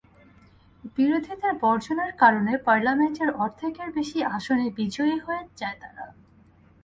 বিরোধীদের বর্জনের কারণে পার্লামেন্টের অর্ধেকের বেশি আসনে বিজয়ী হয়ে যায় তারা।